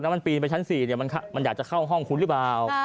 มันปีนไปชั้น๔มันอยากจะเข้าห้องคุณหรือเปล่า